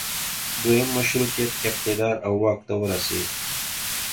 دویم مشروطیت اقتدار او واک ته ورسید.